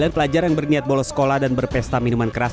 sembilan pelajar yang berniat bolos sekolah dan berpesta minuman keras